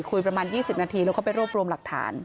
คุยประมาณ๒๐นาทีแล้วก็ไปรวบรวมหลักฐาน